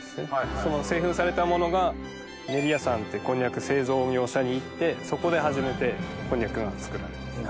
その製粉されたものが練り屋さんってこんにゃく製造業者に行ってそこで初めてこんにゃくが作られます。